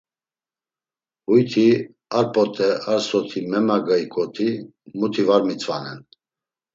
Huyti; ar p̌ot̆e ar soti memageyǩoti, muti var mitzvanen.